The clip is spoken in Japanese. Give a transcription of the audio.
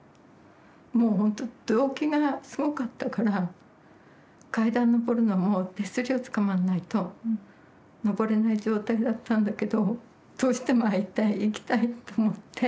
もう本当動悸がすごかったから階段上るのも手すりをつかまんないと上れない状態だったんだけどどうしても会いたい行きたいと思って。